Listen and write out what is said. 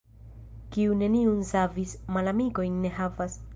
Kiu neniun savis, malamikojn ne havas.